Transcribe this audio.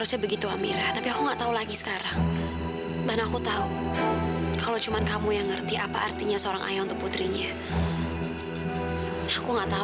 sampai jumpa di video selanjutnya